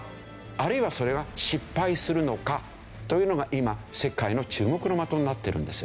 あるいはそれが失敗するのかというのが今世界の注目の的になっているんですよね。